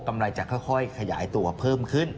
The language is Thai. ไรจะค่อยขยายตัวเพิ่มขึ้น